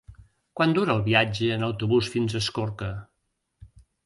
Quant dura el viatge en autobús fins a Escorca?